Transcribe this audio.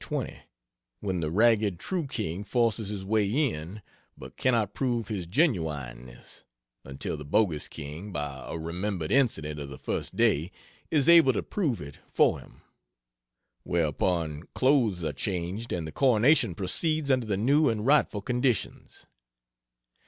20, when the ragged true King forces his way in but cannot prove his genuineness until the bogus King, by a remembered incident of the first day is able to prove it for him whereupon clothes are changed and the coronation proceeds under the new and rightful conditions.